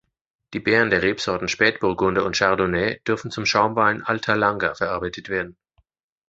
Die Beeren der Rebsorten Spätburgunder und Chardonnay dürfen zum Schaumwein Alta Langa verarbeitet werden.